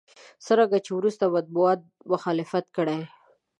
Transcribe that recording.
څرنګه چې وروسته مطبوعاتو مخالفت کړی.